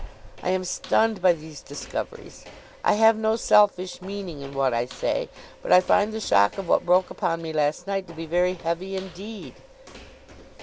I am stunned by these discoveries. I have no selfish meaning in what I say; but I find the shock of what broke upon me last night, to be very heavy indeed.